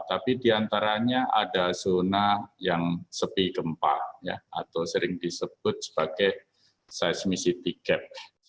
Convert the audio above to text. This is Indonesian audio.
tapi di antaranya ada zona yang sepi gempa atau sering disebut sebagai seismic city gap